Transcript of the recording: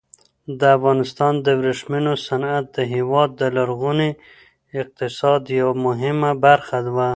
د افغانستان د ورېښمو صنعت د هېواد د لرغوني اقتصاد یوه مهمه برخه وه.